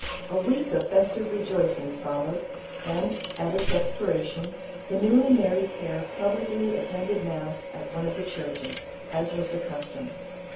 A week of festive rejoic ings followed, and, at its expiration, the newly married pair publicly attended mass at one of the churches, as was the custom.